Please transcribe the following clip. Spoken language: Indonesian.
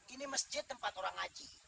ini masjid tempat orang ngaji